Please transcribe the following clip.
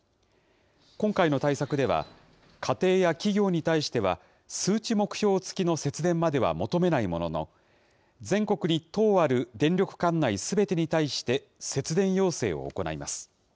今回の対策では、家庭や企業に対しては、数値目標付きの節電までは求めないものの、全国に１０ある電力管内すべてに対して、節電要請を行います。